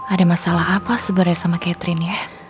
ada masalah apa sebenarnya sama catherine ya